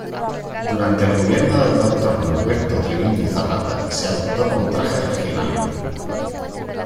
Durante el gobierno del Dr. Norberto Treviño Zapata se adoptó como traje regional.